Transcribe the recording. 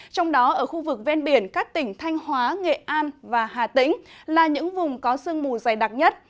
trong đó ở khu vực ven biển các tỉnh thanh hóa nghệ an và hà tĩnh là những vùng có sương mù dày đặc nhất